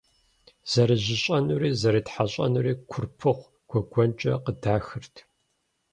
Зэрыжьыщӏэнури зэрытхьэщӏэнури Курпыгъу гуэгуэнкӏэ къыдахырт.